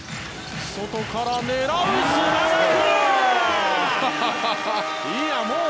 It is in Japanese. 外から狙う！